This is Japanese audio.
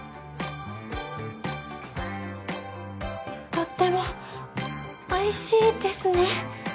とってもおいしいですね。